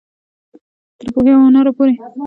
تر پوهې او هنره پورې.